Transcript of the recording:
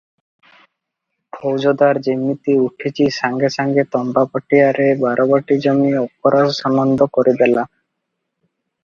ଫୌଜଦାର ଯିମିତି ଉଠିଛି, ସାଙ୍ଗେ ସାଙ୍ଗେ ତମ୍ବା ପାଟିଆରେ ବାରବାଟୀ ଜମି ଅକରା ସନନ୍ଦ କରିଦେଲା ।